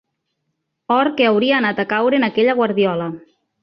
Or que hauria anat a caure en aquella guardiola.